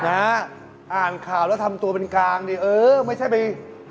อ่านข่าวแล้วทำตัวเป็นกลางดิเออไม่ใช่ไป